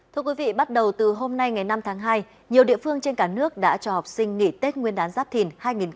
thưa quý vị bắt đầu từ hôm nay ngày năm tháng hai nhiều địa phương trên cả nước đã cho học sinh nghỉ tết nguyên đán giáp thìn hai nghìn hai mươi bốn